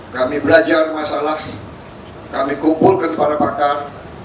kami belajar masalah kami kumpulkan para pakar